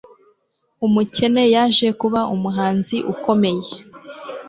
Umukene yaje kuba umuhanzi ukomeye